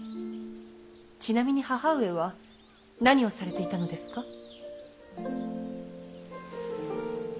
ちなみに義母上は何をされていたのですか。